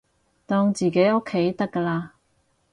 當自己屋企得㗎喇